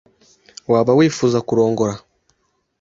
Waba wifuza kurongora?